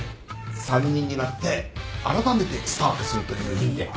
３人になってあらためてスタートするという意味で。